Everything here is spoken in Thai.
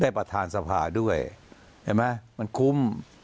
ประธานสภาด้วยเห็นไหมมันคุ้ม